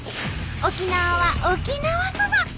沖縄は沖縄そば！